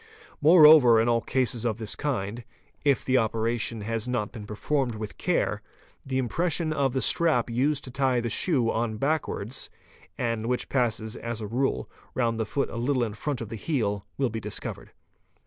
Moreover in all cases of this kind, if the operation has not been performed with care, the impression of the strap used to tie the shoe on backward, and which passes as a rule round the foot a little in front of the heel, will be discovered.